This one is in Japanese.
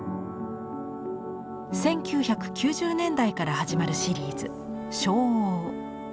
１９９０年代から始まるシリーズ「照応」。